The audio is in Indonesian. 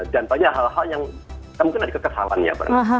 dan banyak hal hal yang mungkin ada kekesalannya